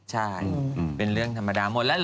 ใช่เป็นเรื่องธรรมดาหมดแล้วเห